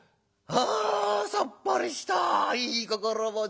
『あさっぱりしたいい心持ち』